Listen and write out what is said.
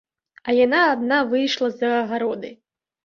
А яна адна выйшла за агароды.